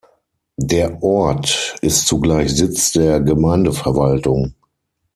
Der Ort ist zugleich Sitz der Gemeindeverwaltung.